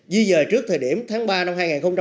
di dời trước thời điểm tháng ba năm hai nghìn một mươi bốn